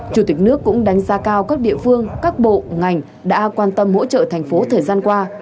chủ tịch nước cũng đánh giá cao các địa phương các bộ ngành đã quan tâm hỗ trợ thành phố thời gian qua